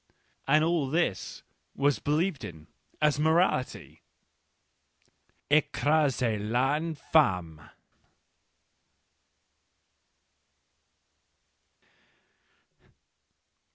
And all this I was believed in as morality !— Ecrasez Vinf&me